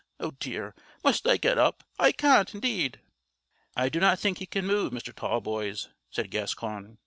Oh, dear! must I get up? I can't, indeed." "I do not think he can move, Mr. Tallboys," said Gascoigne.